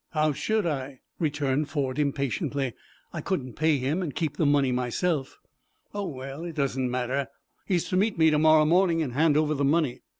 "How should I?" returned Ford, impatiently. "I couldn't pay him, and keep the money myself." "Oh, well, it doesn't matter. He is to meet me to morrow morning and hand over the money."